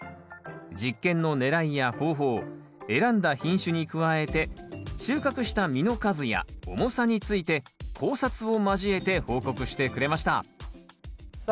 実験のねらいや方法選んだ品種に加えて収穫した実の数や重さについて考察を交えて報告してくれましたさあ